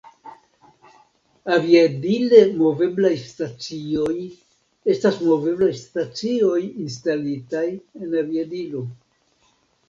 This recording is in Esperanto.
Aviadile-moveblaj stacioj estas moveblaj stacioj instalitaj en aviadilo.